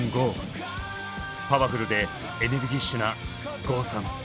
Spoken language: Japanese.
パワフルでエネルギッシュな郷さん